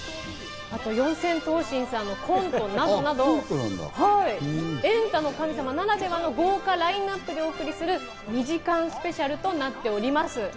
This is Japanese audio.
四千頭身さんのコントなど、『エンタの神様』ならではの豪華ラインナップでお送りする２時間スペシャルとなっております。